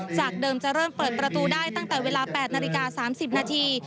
จากเดิมจะเริ่มเปิดประตูได้ตั้งแต่เวลา๘นาฬิกา๓๐นาที